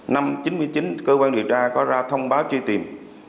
năm một nghìn chín trăm chín mươi chín cơ quan điều tra có ra thông báo truy tìm